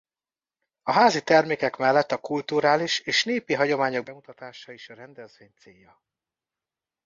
A házi termékek mellett a kulturális és népi hagyományok bemutatása is a rendezvény célja.